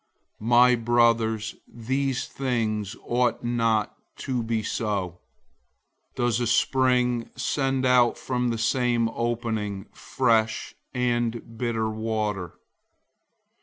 My brothers, these things ought not to be so. 003:011 Does a spring send out from the same opening fresh and bitter water?